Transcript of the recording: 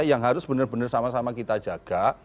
yang harus benar benar sama sama kita jaga